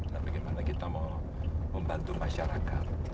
nah bagaimana kita mau membantu masyarakat